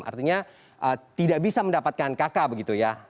artinya tidak bisa mendapatkan kk begitu ya